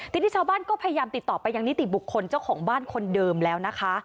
ทีนี้ชาวบ้านก็พยายามติดต่อไปยังนิติบุคคลเจ้าของบ้านคนเดิมแล้วนะคะ